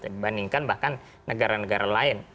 dibandingkan bahkan negara negara lain